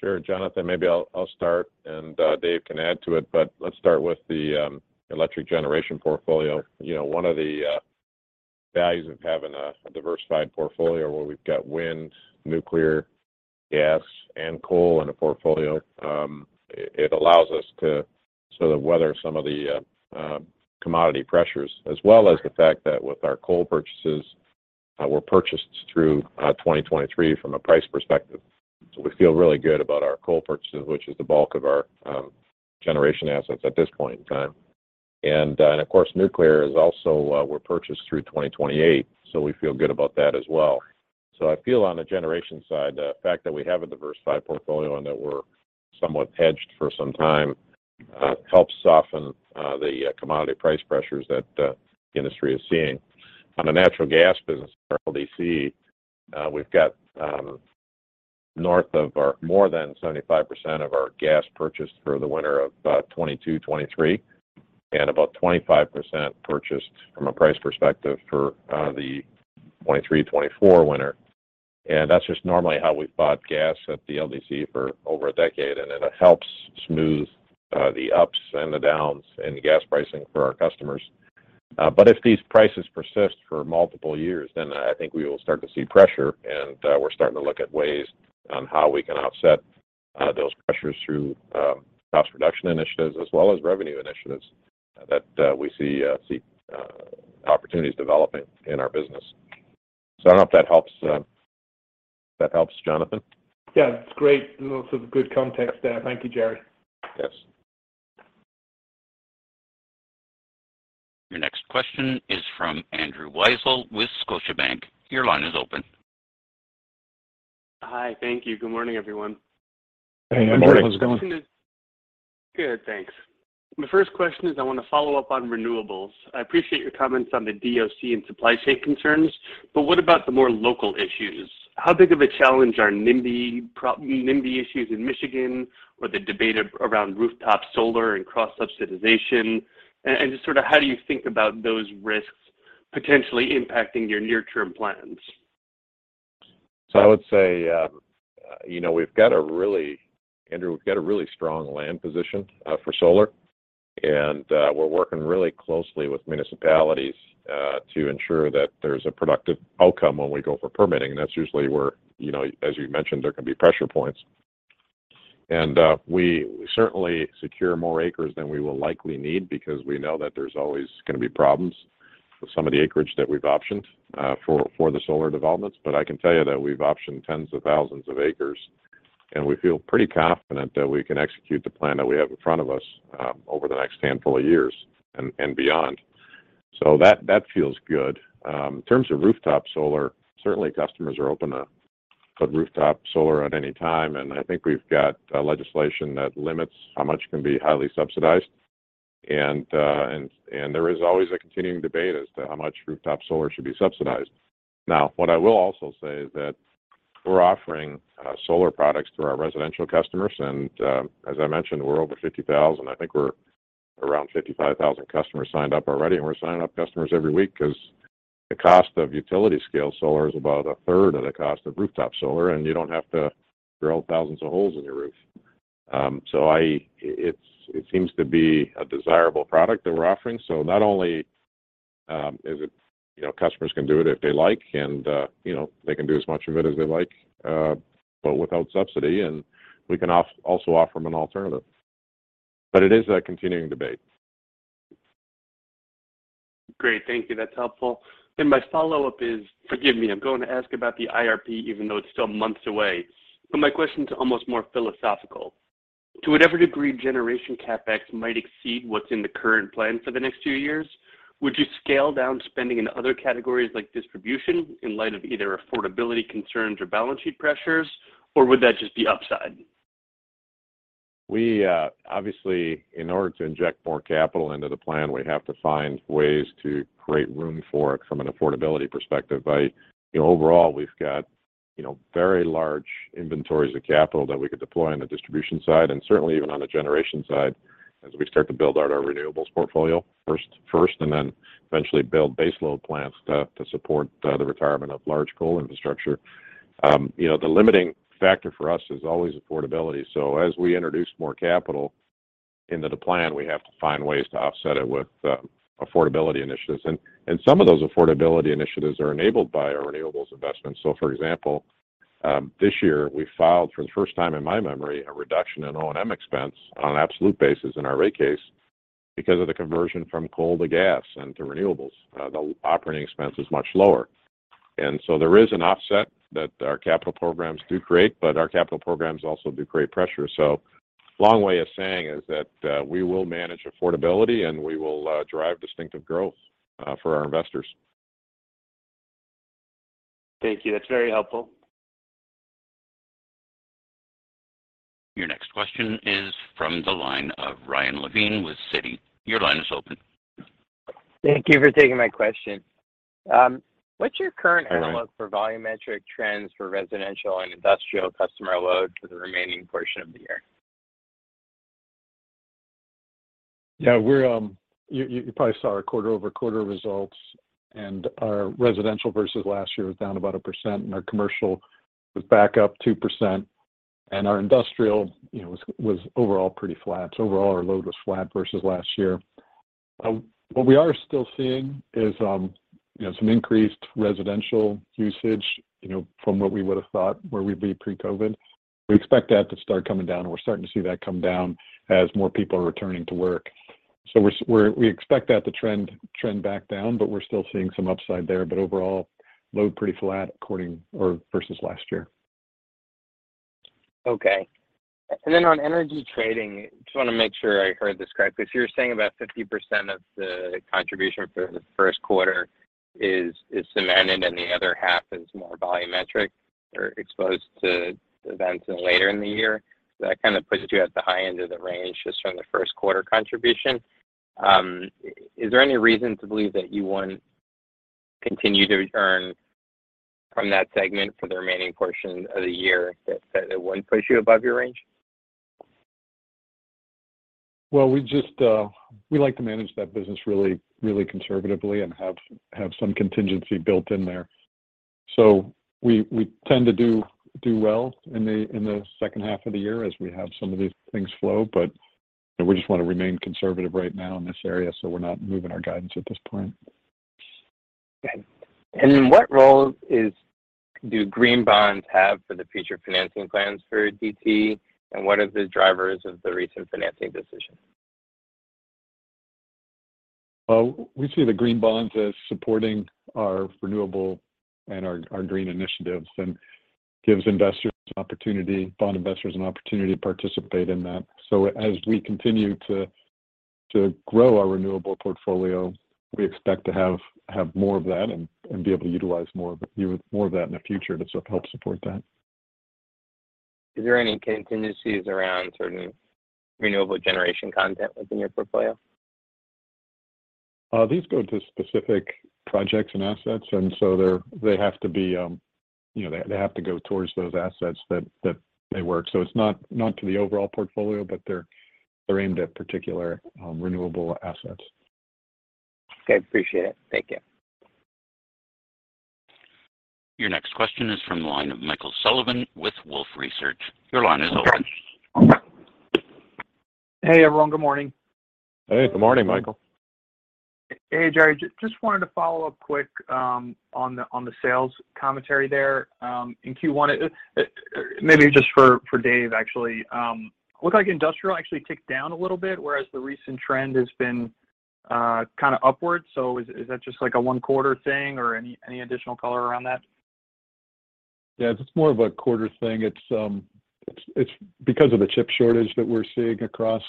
[SPEAKER 3] Sure. Jonathan, maybe I'll start, and Dave can add to it, but let's start with the electric generation portfolio. You know, one of the values of having a diversified portfolio where we've got wind, nuclear, gas, and coal in a portfolio, it allows us to sort of weather some of the commodity pressures, as well as the fact that with our coal purchases, were purchased through 2023 from a price perspective. So we feel really good about our coal purchases, which is the bulk of our generation assets at this point in time. Of course, nuclear is also were purchased through 2028, so we feel good about that as well. I feel on the generation side, the fact that we have a diversified portfolio and that we're somewhat hedged for some time helps soften the commodity price pressures that the industry is seeing. On the natural gas business for LDC, we've got north of or more than 75% of our gas purchased through the winter of 2022-2023, and about 25% purchased from a price perspective for the 2023-2024 winter. That's just normally how we've bought gas at the LDC for over a decade, and it helps smooth the ups and the downs in gas pricing for our customers. If these prices persist for multiple years, then I think we will start to see pressure, and we're starting to look at ways on how we can offset those pressures through cost reduction initiatives as well as revenue initiatives that we see opportunities developing in our business. I don't know if that helps, Jonathan?
[SPEAKER 10] Yeah. It's great. Lots of good context there. Thank you, Jerry.
[SPEAKER 3] Yes.
[SPEAKER 1] Your next question is from Andrew Weisel with Scotiabank. Your line is open.
[SPEAKER 11] Hi. Thank you. Good morning, everyone.
[SPEAKER 3] Hey, Andrew. How's it going?
[SPEAKER 11] Good, thanks. My first question is I wanna follow up on renewables. I appreciate your comments on the DOC and supply chain concerns, but what about the more local issues? How big of a challenge are NIMBY issues in Michigan or the debate around rooftop solar and cross-subsidization? And just sort of how do you think about those risks potentially impacting your near-term plans?
[SPEAKER 3] I would say, Andrew, we've got a really strong land position for solar. We're working really closely with municipalities to ensure that there's a productive outcome when we go for permitting. That's usually where, as you mentioned, there can be pressure points. We certainly secure more acres than we will likely need because we know that there's always gonna be problems with some of the acreage that we've optioned for the solar developments. But I can tell you that we've optioned tens of thousands of acres, and we feel pretty confident that we can execute the plan that we have in front of us over the next handful of years and beyond. That feels good. In terms of rooftop solar, certainly customers are open to put rooftop solar at any time, and I think we've got legislation that limits how much can be highly subsidized. There is always a continuing debate as to how much rooftop solar should be subsidized. Now, what I will also say is that we're offering solar products to our residential customers, and as I mentioned, we're over 50,000. I think we're around 55,000 customers signed up already, and we're signing up customers every week 'cause the cost of utility scale solar is about a third of the cost of rooftop solar, and you don't have to drill thousands of holes in your roof. It seems to be a desirable product that we're offering. Not only is it, you know, customers can do it if they like and, you know, they can do as much of it as they like, but without subsidy, and we can also offer them an alternative. It is a continuing debate.
[SPEAKER 11] Great. Thank you. That's helpful. My follow-up is, forgive me, I'm going to ask about the IRP even though it's still months away, but my question's almost more philosophical. To whatever degree generation CapEx might exceed what's in the current plan for the next few years, would you scale down spending in other categories like distribution in light of either affordability concerns or balance sheet pressures, or would that just be upside?
[SPEAKER 3] We obviously, in order to inject more capital into the plan, we have to find ways to create room for it from an affordability perspective. You know, overall, we've got, you know, very large inventories of capital that we could deploy on the distribution side, and certainly even on the generation side as we start to build out our renewables portfolio first and then eventually build baseload plants to support the retirement of large coal infrastructure. You know, the limiting factor for us is always affordability. As we introduce more capital into the plan, we have to find ways to offset it with affordability initiatives. Some of those affordability initiatives are enabled by our renewables investments. For example, this year we filed for the first time in my memory a reduction in O&M expense on an absolute basis in our rate case because of the conversion from coal to gas and to renewables. The operating expense is much lower. There is an offset that our capital programs do create, but our capital programs also do create pressure. Long way of saying is that, we will manage affordability, and we will drive distinctive growth for our investors.
[SPEAKER 11] Thank you. That's very helpful.
[SPEAKER 1] Your next question is from the line of Ryan Levine with Citi. Your line is open.
[SPEAKER 12] Thank you for taking my question. What's your current outlook?
[SPEAKER 4] All right.
[SPEAKER 12] -for volumetric trends for residential and industrial customer load for the remaining portion of the year?
[SPEAKER 4] Yeah. You probably saw our quarter-over-quarter results, and our residential versus last year was down about 1%, and our commercial was back up 2%, and our industrial, you know, was overall pretty flat. Overall, our load was flat versus last year. What we are still seeing is, you know, some increased residential usage, you know, from what we would have thought where we'd be pre-COVID. We expect that to start coming down. We're starting to see that come down as more people are returning to work. We expect that to trend back down, but we're still seeing some upside there. Overall, load pretty flat quarter-over-quarter versus last year.
[SPEAKER 12] Okay. On energy trading, just wanna make sure I heard this correct, but you're saying about 50% of the contribution for the first quarter is cemented and the other half is more volumetric or exposed to events later in the year. That kind of puts you at the high end of the range just from the first quarter contribution. Is there any reason to believe that you wouldn't continue to earn from that segment for the remaining portion of the year that it wouldn't put you above your range?
[SPEAKER 4] Well, we just like to manage that business really, really conservatively and have some contingency built in there. We tend to do well in the second half of the year as we have some of these things flow. You know, we just want to remain conservative right now in this area, so we're not moving our guidance at this point.
[SPEAKER 12] Okay. What role do green bonds have for the future financing plans for DTE? What are the drivers of the recent financing decision?
[SPEAKER 4] Well, we see the green bonds as supporting our renewable and our green initiatives and gives bond investors an opportunity to participate in that. As we continue to grow our renewable portfolio, we expect to have more of that and be able to utilize more of that in the future to help support that.
[SPEAKER 12] Is there any contingencies around certain renewable generation content within your portfolio?
[SPEAKER 4] These go to specific projects and assets, and they have to be, you know, they have to go towards those assets that they work. It's not to the overall portfolio, but they're aimed at particular renewable assets.
[SPEAKER 12] Okay, appreciate it. Thank you.
[SPEAKER 1] Your next question is from the line of Michael Sullivan with Wolfe Research. Your line is open.
[SPEAKER 13] Hey, everyone. Good morning.
[SPEAKER 4] Hey, good morning, Michael.
[SPEAKER 13] Hey, Jerry. Just wanted to follow up quick on the sales commentary there in Q1. Maybe just for Dave, actually. Looked like industrial actually ticked down a little bit, whereas the recent trend has been kinda upwards. Is that just like a one quarter thing or any additional color around that?
[SPEAKER 4] Yeah, it's more of a quarter thing. It's because of the chip shortage that we're seeing across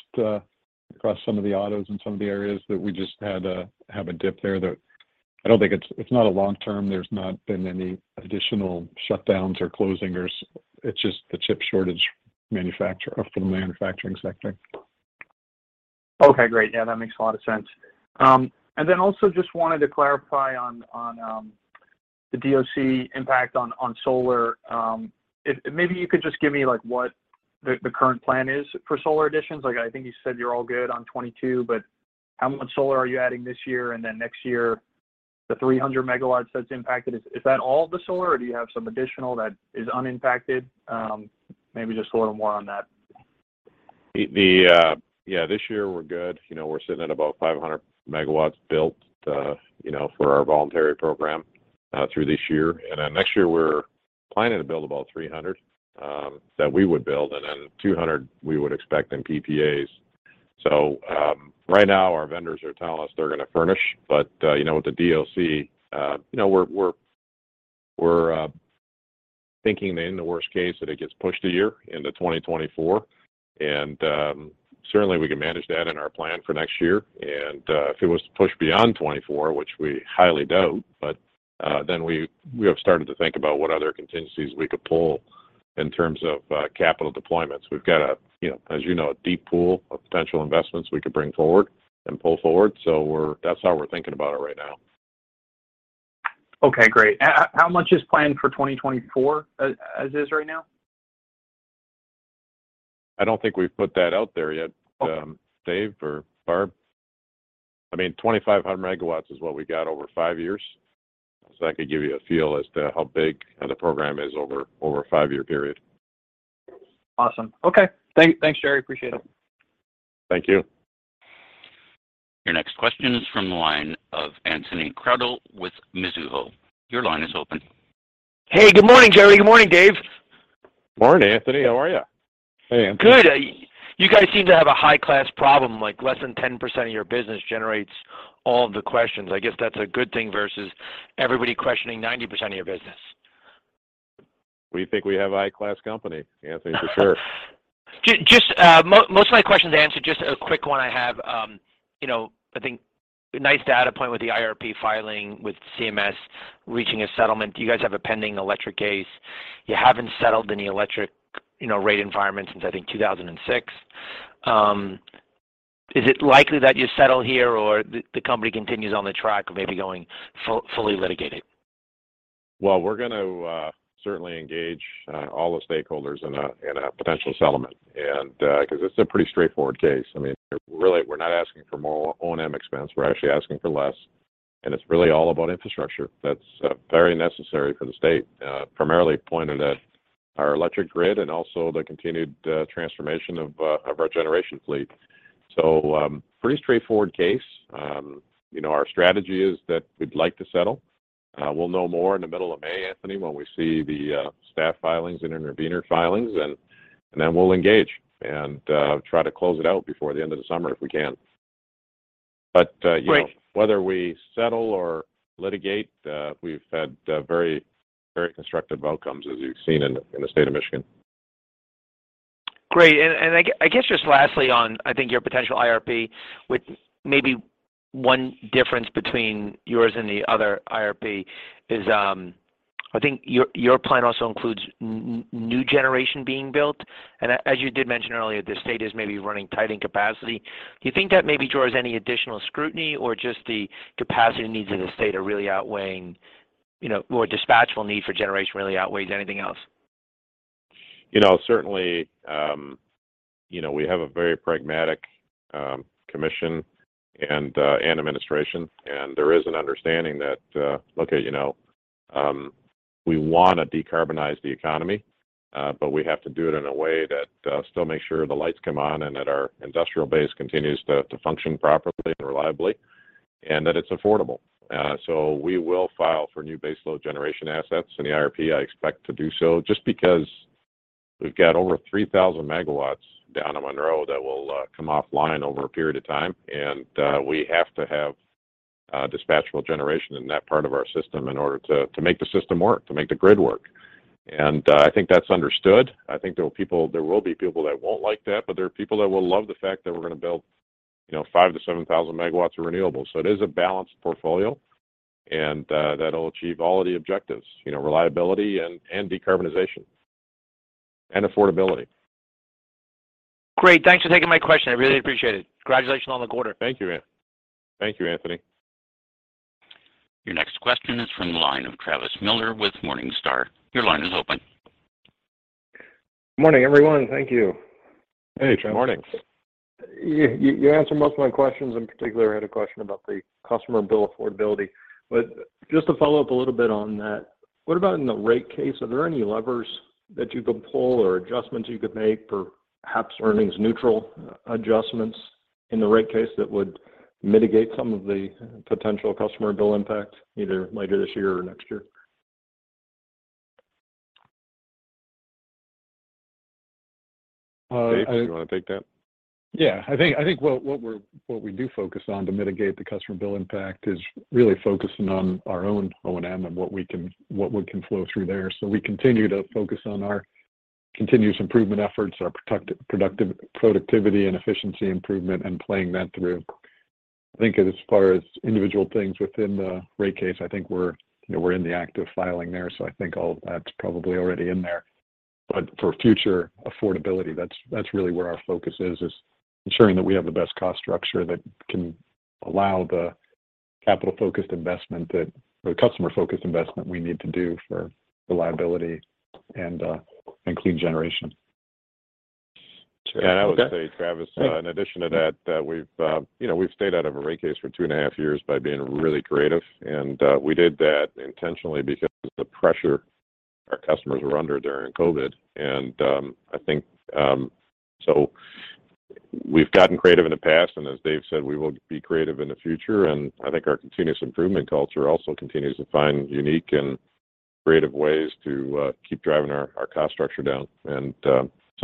[SPEAKER 4] some of the autos and some of the areas that we have a dip there that I don't think it's not a long term. There's not been any additional shutdowns or closings. It's just the chip shortage for the manufacturing sector.
[SPEAKER 13] Okay, great. Yeah, that makes a lot of sense. Also just wanted to clarify on the DOC impact on solar. If maybe you could just give me, like, what the current plan is for solar additions. Like, I think you said you're all good on 2022, but how much solar are you adding this year and then next year? The 300 megawatts that's impacted, is that all the solar or do you have some additional that is unimpacted? Maybe just a little more on that.
[SPEAKER 3] Yeah, this year we're good. You know, we're sitting at about 500 megawatts built, you know, for our voluntary program, through this year. Next year we're planning to build about 300 megawatts that we would build, and then 200 megawatts we would expect in PPAs. Right now our vendors are telling us they're gonna furnish. You know, with the DOC, you know, we're thinking that in the worst case that it gets pushed a year into 2024. Certainly we can manage that in our plan for next year. If it was to push beyond 2024, which we highly doubt, then we have started to think about what other contingencies we could pull in terms of capital deployments. We've got, you know, as you know, a deep pool of potential investments we could bring forward and pull forward. That's how we're thinking about it right now.
[SPEAKER 13] Okay, great. How much is planned for 2024 as is right now?
[SPEAKER 3] I don't think we've put that out there yet.
[SPEAKER 13] Okay.
[SPEAKER 3] Dave or Barb? I mean, 2,500 megawatts is what we got over five years. That could give you a feel as to how big the program is over a five-year period.
[SPEAKER 13] Awesome. Okay. Thanks, Jerry. Appreciate it.
[SPEAKER 3] Thank you.
[SPEAKER 1] Your next question is from the line of Anthony Crowdell with Mizuho. Your line is open.
[SPEAKER 14] Hey, good morning, Jerry. Good morning, Dave.
[SPEAKER 4] Morning, Anthony. How are you?
[SPEAKER 3] Hey, Anthony.
[SPEAKER 14] Good. You guys seem to have a high class problem, like less than 10% of your business generates all the questions. I guess that's a good thing versus everybody questioning 90% of your business.
[SPEAKER 3] We think we have high-class company, Anthony, for sure.
[SPEAKER 14] Most of my questions are answered. Just a quick one I have. You know, I think nice data point with the IRP filing with CMS reaching a settlement. Do you guys have a pending electric case? You haven't settled any electric, you know, rate case since, I think, 2006. Is it likely that you settle here or the company continues on the track of maybe going fully litigating?
[SPEAKER 3] Well, we're gonna certainly engage all the stakeholders in a potential settlement. 'Cause it's a pretty straightforward case. I mean, really, we're not asking for more O&M expense, we're actually asking for less, and it's really all about infrastructure that's very necessary for the state, primarily pointed at our electric grid and also the continued transformation of our generation fleet. Pretty straightforward case. You know, our strategy is that we'd like to settle. We'll know more in the middle of May, Anthony, when we see the staff filings and intervener filings. Then we'll engage and try to close it out before the end of the summer if we can. You know-
[SPEAKER 14] Great
[SPEAKER 3] Whether we settle or litigate, we've had very constructive outcomes as you've seen in the state of Michigan.
[SPEAKER 14] Great. I guess just lastly on, I think, your potential IRP with maybe one difference between yours and the other IRP is, I think your plan also includes new generation being built. As you did mention earlier, the state is maybe running tight in capacity. Do you think that maybe draws any additional scrutiny or just the capacity needs in the state are really outweighing, you know, more dispatchable need for generation really outweighs anything else?
[SPEAKER 3] You know, certainly, you know, we have a very pragmatic commission and administration, and there is an understanding that, look, you know, we wanna decarbonize the economy, but we have to do it in a way that still makes sure the lights come on and that our industrial base continues to function properly and reliably, and that it's affordable. We will file for new base load generation assets in the IRP. I expect to do so just because we've got over 3,000 megawatts down in Monroe that will come offline over a period of time, and we have to have dispatchable generation in that part of our system in order to make the system work, to make the grid work. I think that's understood. I think there were people. There will be people that won't like that, but there are people that will love the fact that we're gonna build, you know, 5,000 megawatts-7,000 megawatts of renewables. It is a balanced portfolio, and that'll achieve all of the objectives, you know, reliability and decarbonization and affordability.
[SPEAKER 14] Great. Thanks for taking my question. I really appreciate it. Congratulations on the quarter.
[SPEAKER 3] Thank you, Anthony.
[SPEAKER 1] Your next question is from the line of Travis Miller with Morningstar. Your line is open.
[SPEAKER 15] Morning, everyone. Thank you.
[SPEAKER 3] Hey, Travis.
[SPEAKER 15] Morning. You answered most of my questions. In particular, I had a question about the customer bill affordability. Just to follow up a little bit on that, what about in the rate case? Are there any levers that you could pull or adjustments you could make for perhaps earnings neutral adjustments in the rate case that would mitigate some of the potential customer bill impact either later this year or next year?
[SPEAKER 3] Dave, do you wanna take that?
[SPEAKER 4] I think what we do focus on to mitigate the customer bill impact is really focusing on our own O&M and what we can flow through there. We continue to focus on our continuous improvement efforts, our productivity and efficiency improvement and playing that through. I think as far as individual things within the rate case, I think we're, you know, we're in the act of filing there, so I think all of that's probably already in there. For future affordability, that's really where our focus is, ensuring that we have the best cost structure that can allow the capital-focused investment that or the customer-focused investment we need to do for reliability and clean generation.
[SPEAKER 3] I would say, Travis, in addition to that we've you know stayed out of a rate case for two and a half years by being really creative. We did that intentionally because the pressure our customers were under during COVID. We've gotten creative in the past, and as Dave said, we will be creative in the future. I think our continuous improvement culture also continues to find unique and creative ways to keep driving our cost structure down.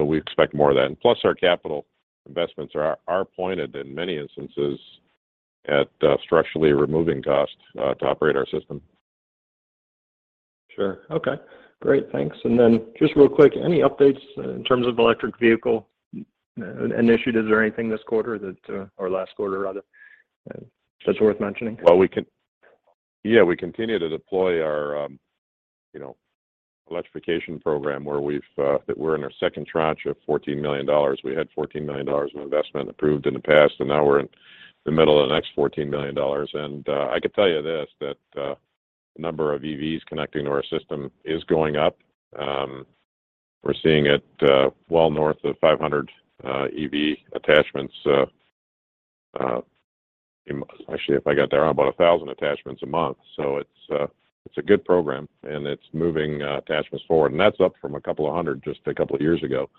[SPEAKER 3] We expect more of that. Plus our capital investments are pointed in many instances at structurally removing costs to operate our system.
[SPEAKER 15] Sure. Okay. Great. Thanks. Just real quick, any updates in terms of electric vehicle initiative? Is there anything this quarter that, or last quarter rather that's worth mentioning?
[SPEAKER 3] Well, we continue to deploy our, you know, electrification program where that we're in our second tranche of $14 million. We had $14 million of investment approved in the past, and now we're in the middle of the next $14 million. I could tell you this, that the number of EVs connecting to our system is going up. We're seeing it well north of 500 EV attachments, actually if I got that right, about 1,000 attachments a month. It's a good program, and it's moving attachments forward. That's up from a couple of hundred just a couple of years ago.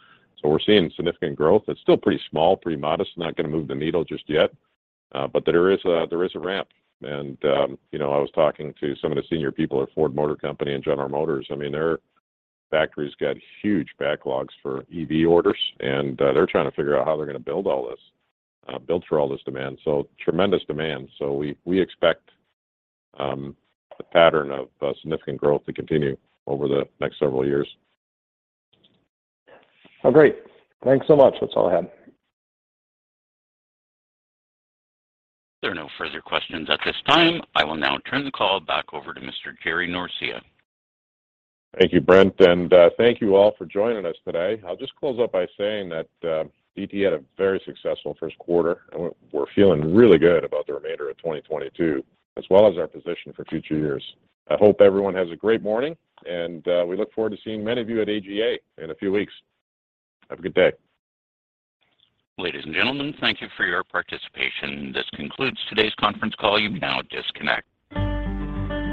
[SPEAKER 3] We're seeing significant growth. It's still pretty small, pretty modest, not gonna move the needle just yet. There is a ramp. You know, I was talking to some of the senior people at Ford Motor Company and General Motors. I mean, their factories get huge backlogs for EV orders, and they're trying to figure out how they're gonna build for all this demand. Tremendous demand. We expect the pattern of significant growth to continue over the next several years.
[SPEAKER 15] Oh, great. Thanks so much. That's all I had.
[SPEAKER 1] There are no further questions at this time. I will now turn the call back over to Mr. Jerry Norcia.
[SPEAKER 3] Thank you, Brent, and thank you all for joining us today. I'll just close up by saying that DTE had a very successful first quarter, and we're feeling really good about the remainder of 2022, as well as our position for future years. I hope everyone has a great morning, and we look forward to seeing many of you at AGA in a few weeks. Have a good day.
[SPEAKER 1] Ladies and gentlemen, thank you for your participation. This concludes today's conference call. You may now disconnect.